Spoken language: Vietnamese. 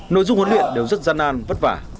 nội dung huấn luyện đều rất gian an vất vả